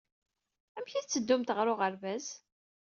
Amek ay tetteddumt ɣer uɣerbaz?